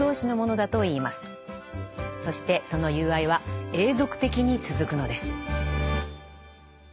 そしてその友愛は永続的に続くのです。